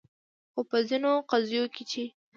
خو په ځینو قضیو کې چې